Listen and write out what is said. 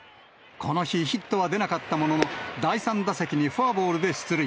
この日、ヒットは出なかったものの、第３打席にフォアボールで出塁。